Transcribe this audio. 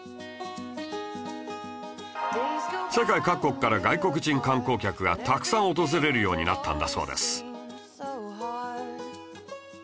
世界各国から外国人観光客がたくさん訪れるようになったんだそうです